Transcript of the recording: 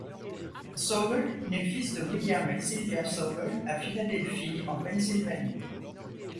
Soble naît fils de William et Sylvia Soble à Philadelphie en Pennsylvanie.